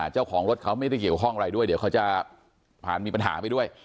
เจ้าของรถเขาไม่ได้เกี่ยวข้องอะไรด้วยเดี๋ยวเขาจะผ่านมีปัญหาไปด้วย